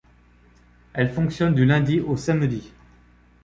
Elles fonctionnent du lundi au samedi.